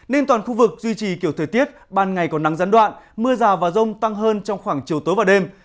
nên toàn khu vực duy trì kiểu thời tiết ban ngày có nắng gián đoạn mưa rào và rông tăng hơn trong khoảng chiều tối và đêm